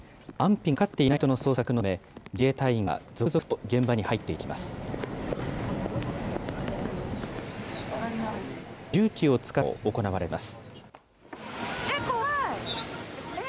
安否が分かっていない人の捜索のため、自衛隊員が続々と現場に入っていきます。